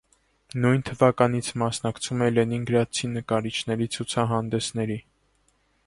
Նույն թվականից մասնակցում է լենինգրադցի նկարիչների ցուցահանդեսների։